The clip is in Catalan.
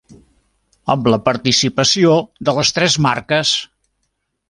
Amb la participació de les tres marques.